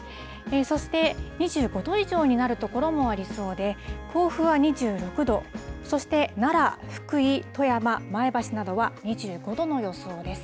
そして、２５度以上になる所もありそうで甲府は２６度そして奈良、福井、富山前橋などは２５度の予想です。